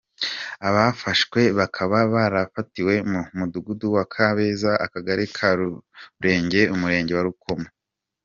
Abafashwe bakaba barafatiwe mu mudugudu wa Kabeza akagari ka Rurenge Umurenge wa Rukomo.